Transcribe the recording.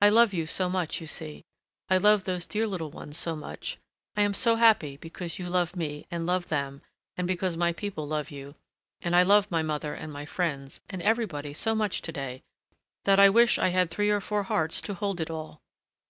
I love you so much, you see, I love those dear little ones so much, I am so happy because you love me and love them and because my people love you, and I love my mother and my friends and everybody so much to day, that I wish I had three or four hearts to hold it all.